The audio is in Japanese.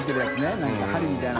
覆鵑針みたいな。